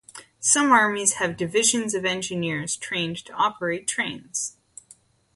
Some armies have Divisions of Engineers trained to operate trains.